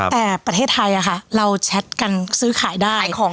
แต่ประเทศไทยเราแชทกันซื้อขายได้